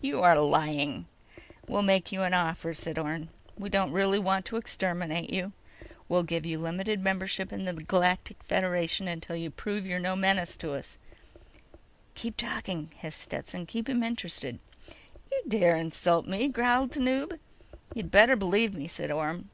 "You are lying!" "We'll make you an offer," said Orne. "We don't really want to exterminate you. We'll give you limited membership in the Galactic Federation until you prove you're no menace to us." "Keep talking," hissed Stetson. "Keep him interested." "You dare insult me!" growled Tanub. "You had better believe me," said Orne.